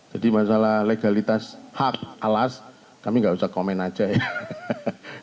masalah legalitas hak alas kami nggak usah komen aja ya